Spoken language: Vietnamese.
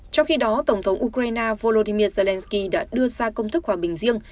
trong khi đó tổng thống ukraine volodymyr zelensky đã đưa ra công thức hòa bình riêng